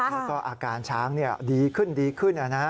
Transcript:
แล้วก็อาการช้างเนี่ยดีขึ้นอ่ะนะ